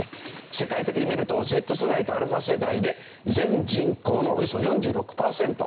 世界的に見るとＺ世代とα世代で全人口のおよそ４６パーセント。